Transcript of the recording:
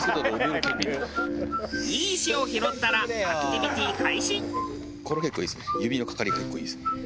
いい石を拾ったらアクティビティ開始。